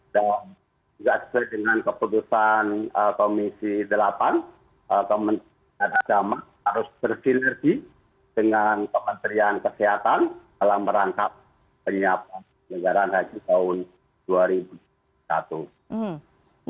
dan juga setelah dengan keputusan komisi delapan kementerian kesehatan harus bersinergi dengan kementerian kesehatan dalam merangkap penyiapan penyegaran haji tahun dua ribu dua puluh satu